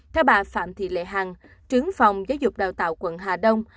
theo bà phạm thị lệ hàng trướng phòng giáo dục đào tạo quận hà đông